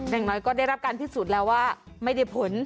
อย่างน้อยก็ได้รับการพิสูจน์แล้วว่าไม่ได้ผล